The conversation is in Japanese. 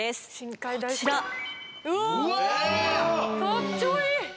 かっちょいい！